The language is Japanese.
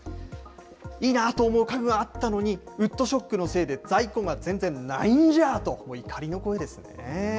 いいなと思う家具はあったのに、ウッドショックのせいで在庫が全然ないんじゃあああ！ともう怒りの声ですね。